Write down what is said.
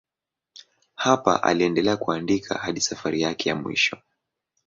Hapa aliendelea kuandika hadi safari yake ya mwisho.